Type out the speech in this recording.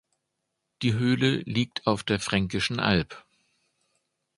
Die Höhle liegt auf der Fränkischen Alb.